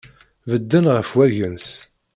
Bedden ɣef wagens.